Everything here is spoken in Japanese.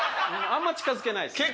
あんま近付けないですね。